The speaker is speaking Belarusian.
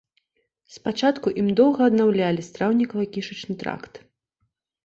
Спачатку ім доўга аднаўлялі страўнікава-кішачны тракт.